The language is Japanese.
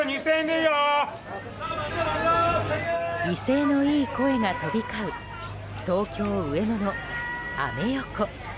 威勢のいい声が飛び交う東京・上野のアメ横。